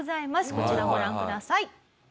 こちらご覧ください。